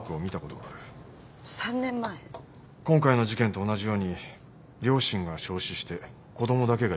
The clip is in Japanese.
今回の事件と同じように両親が焼死して子供だけが生き残った。